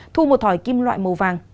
thu một thỏi kim loại màu vàng